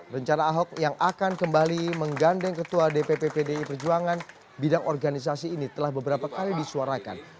rencana ahok yang akan kembali menggandeng ketua dpp pdi perjuangan bidang organisasi ini telah beberapa kali disuarakan